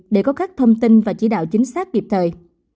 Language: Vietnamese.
để có các thông tin và chỉ đạo chính xác kịp thời